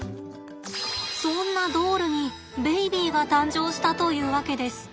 そんなドールにベイビーが誕生したというわけです。